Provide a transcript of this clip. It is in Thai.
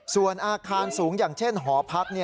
ส่วนอาคารสูงอย่างเช่นหอพัก